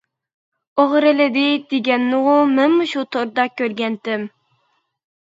ئوغرىلىدى دېگەننىغۇ مەنمۇ شۇ توردا كۆرگەنتىم.